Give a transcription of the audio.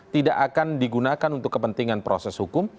tidak akan digunakan untuk kepentingan proses hukum